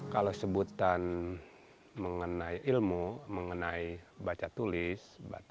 kalau sebutan mengenai ilmu mengenai baca tulis